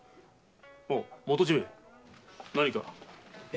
元締何か？